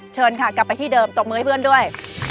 เชิญค่ะกลับไปที่เดิมตบมือให้เพื่อนด้วย